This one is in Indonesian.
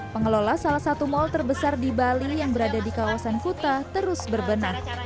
pengelola salah satu mal terbesar di bali yang berada di kawasan kuta terus berbenah